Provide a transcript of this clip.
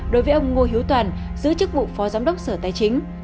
đối với ông ngô hiếu toàn giữ chức vụ phó giám đốc sở tài chính